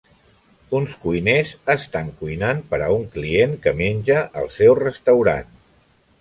Uns cuiners estan cuinant per a un client que menja al seu restaurant.